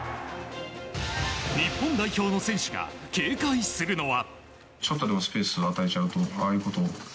日本代表の選手が警戒するのは。